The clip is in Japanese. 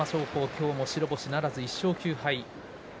今日も白星ならず、１勝９敗。